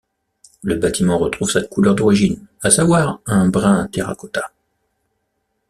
Le bâtiment retrouve sa couleur d'origine, à savoir un brun terracota.